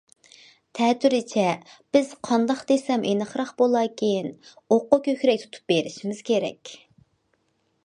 تەتۈرىچە، بىز، قانداق دېسەم ئېنىقراق بولاركىن؟ ئوققا كۆكرەك تۇتۇپ بېرىشىمىز كېرەك.